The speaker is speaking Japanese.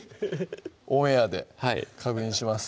オンエアで確認します